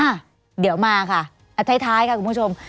อ่ะเดี๋ยวมาค่ะท้ายค่ะคุณผู้ชม